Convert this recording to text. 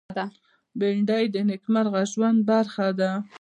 بېنډۍ د نېکمرغه ژوند برخه ده